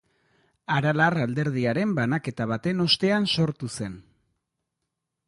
Aralar alderdiaren banaketa baten ostean sortu zen.